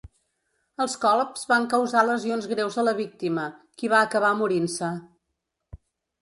Els colps van causar lesions greus a la víctima, qui va acabar morint-se.